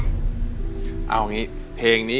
เป็นไงคะเพลงนี้